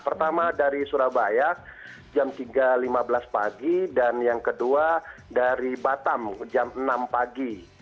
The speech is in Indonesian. pertama dari surabaya jam tiga lima belas pagi dan yang kedua dari batam jam enam pagi